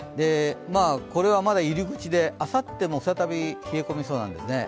これはまだ入り口で、あさっても再び冷え込みそうなんですね。